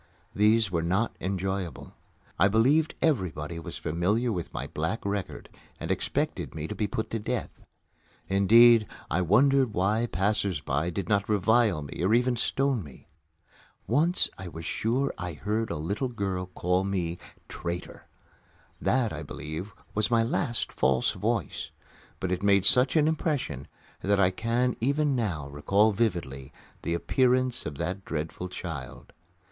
These were not enjoyable. I believed everybody was familiar with my black record and expected me to be put to death. Indeed, I wondered why passers by did not revile or even stone me. Once I was sure I heard a little girl call me "Traitor!" That, I believe, was my last "false voice," but it made such an impression that I can even now recall vividly the appearance of that dreadful child.